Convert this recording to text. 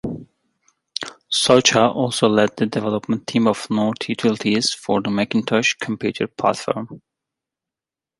Socha also led the development team of Norton Utilities for the Macintosh computer platform.